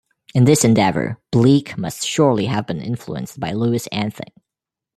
In this endeavour Bleek must surely have been influenced by Louis Anthing.